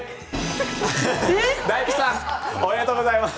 大吉さん、おめでとうございます。